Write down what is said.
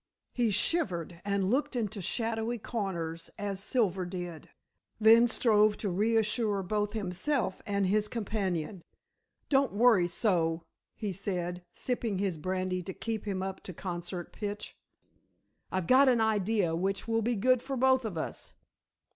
He shivered and looked into shadowy corners, as Silver did; then strove to reassure both himself and his companion. "Don't worry so," he said, sipping his brandy to keep him up to concert pitch, "I've got an idea which will be good for both of us."